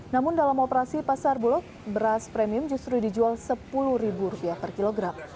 namun dalam operasi pasar bulog beras premium justru dijual rp sepuluh per kilogram